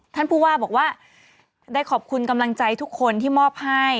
ท่านผู้ว่าบอกว่าได้ขอบคุณกำลังใจทุกคนที่มอบให้